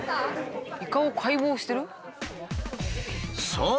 そう！